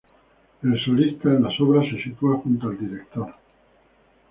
El solista en las obras se sitúa junto al director.